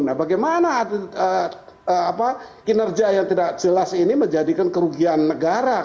nah bagaimana kinerja yang tidak jelas ini menjadikan kerugian negara